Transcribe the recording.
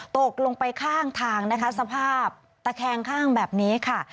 ตกลงไปข้างทางนะคะสภาพตะแคงข้างแบบนี้ค่ะ